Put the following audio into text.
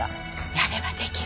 やればできる。